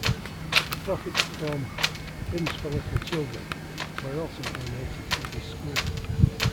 The profits from "Hymns for Little Children" were also donated to this school.